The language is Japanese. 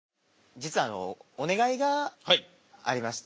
実はあのお願いがありまして。